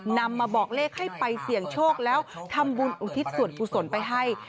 นำมาบอกเลขให้ไปเสี่ยงโชคแล้วทำบุญอุทิศส่วนกุศลไปให้